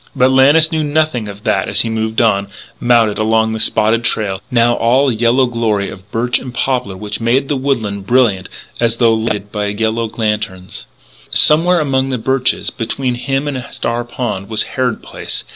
But Lannis knew nothing of that as he moved on, mounted, along the spotted trail, now all a yellow glory of birch and poplar which made the woodland brilliant as though lighted by yellow lanterns. Somewhere among the birches, between him and Star Pond, was Harrod Place.